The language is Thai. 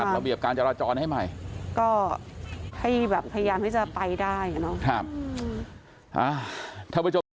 มาจัดระเบียบการจราจรให้ใหม่